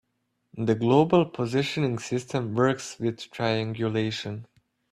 The global positioning system works with triangulation.